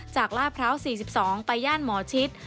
จากลาพร้าว๔๒ไปย่านหมอชิต